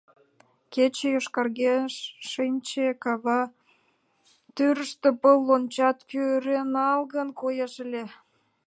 Кече йошкаргеш шинче, кава тӱрыштӧ пыл лончат кӱреналгын коеш ыле.